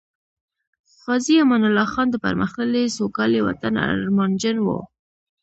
غازی امان الله خان د پرمختللي، سوکالۍ وطن ارمانجن وو